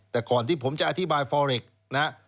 แต่ก่อนที่ผมจะอธิบายฟอร์ริกนะ